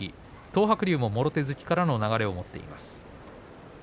東白龍も、もろ手突きからの流れを持っています。